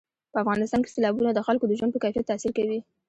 په افغانستان کې سیلابونه د خلکو د ژوند په کیفیت تاثیر کوي.